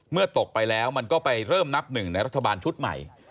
ตกไปแล้วมันก็ไปเริ่มนับหนึ่งในรัฐบาลชุดใหม่